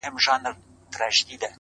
شاعر او شاعره ـ